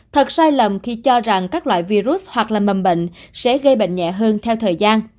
thật sai lầm khi cho rằng các loại virus hoặc là mầm bệnh sẽ gây bệnh nhẹ hơn theo thời gian